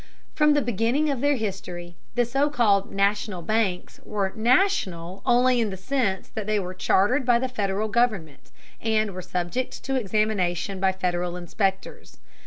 From the beginning of their history, the so called national banks were "national" only in the sense that they were chartered by the Federal government, and were subject to examination by Federal inspectors.